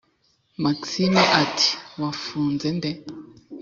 maxime ati"wakunze nde